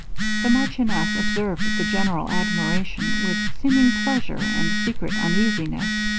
The marchioness observed the general admiration with seeming pleasure, and secret uneasiness.